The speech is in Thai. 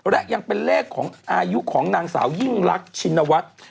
และยังเป็นเลขของอายุของนางสาวยิ่งรักชินวัฒน์